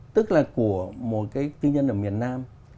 tức là của một cái tư nhân ở miền nam